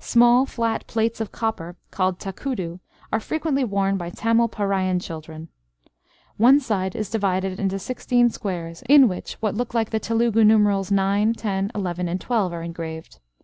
Small flat plates of copper, called takudu, are frequently worn by Tamil Paraiyan children. One side is divided into sixteen squares in which what look like the Telugu numerals nine, ten, eleven and twelve, are engraved.